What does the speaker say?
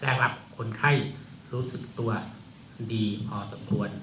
แรกลักษณ์คนไข้รู้สึกตัวดีพอสมควร